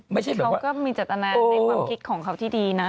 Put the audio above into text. เขาก็มีจัตนาในความคิดของเขาที่ดีนะ